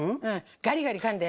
ガリガリかんで。